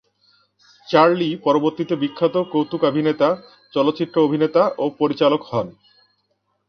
Charlie পরবর্তীতে বিখ্যাত কৌতুকাভিনেতা, চলচ্চিত্র অভিনেতা ও পরিচালক হন।